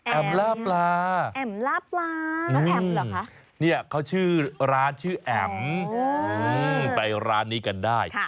ล่าปลาแอ๋มล่าปลาน้องแอมเหรอคะเนี่ยเขาชื่อร้านชื่อแอ๋มไปร้านนี้กันได้